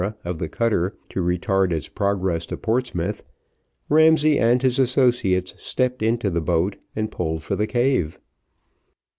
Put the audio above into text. of the cutter to retard its progress to Portsmouth, Ramsay and his associates stepped into the boat, and pulled for the cave.